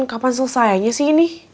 kapan selesainya sih ini